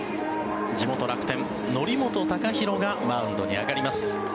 地元・楽天、則本昂大がマウンドに上がります。